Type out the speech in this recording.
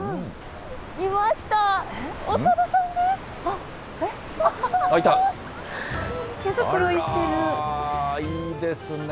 いいですね。